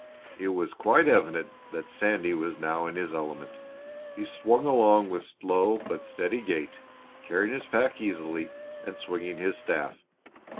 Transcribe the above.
It was quite evident that Sandy was now in his element. He swung along with slow but steady gait, carrying his pack easily and swinging his staff.